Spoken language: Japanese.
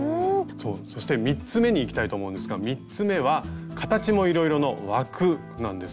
そして３つ目にいきたいと思うんですが３つ目は形もいろいろの「枠」なんですが。